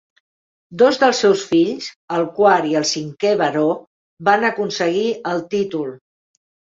Dos dels seus fills, el quart i el cinquè baró, van aconseguir el títol.